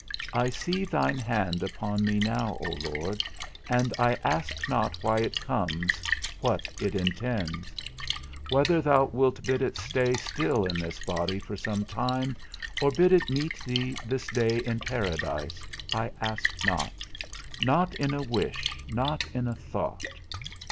I see thine hand upon me now, O Lord, and I ask not why it comes, what it intends; whether thou wilt bid it stay still in this body for some time, or bid it meet thee this day in paradise, I ask not, not in a wish, not in a thought.